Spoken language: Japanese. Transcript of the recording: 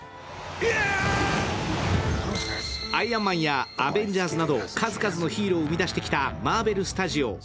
アイアンマンやアベンジャーズなど数々のヒーローを生み出してきたマーベルスタジオ。